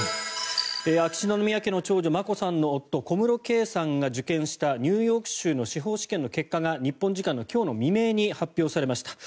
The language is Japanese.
秋篠宮家の長女・眞子さんの夫小室圭さんが受験した、ニューヨーク州の司法試験の結果が日本時間の今日未明に発表されました。